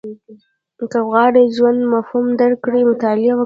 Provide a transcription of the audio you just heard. • که غواړې د ژوند مفهوم درک کړې، مطالعه وکړه.